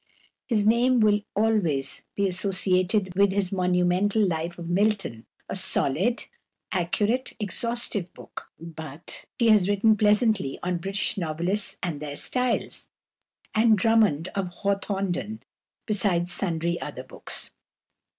His name will always be associated with his monumental "Life of Milton," a solid, accurate, exhaustive book; but he has written pleasantly on "British Novelists and their Styles" and "Drummond of Hawthornden," besides sundry other books.